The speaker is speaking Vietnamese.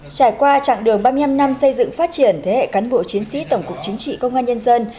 trải qua chặng đường ba mươi năm năm xây dựng phát triển thế hệ cán bộ chiến sĩ tổng cục chính trị công an nhân dân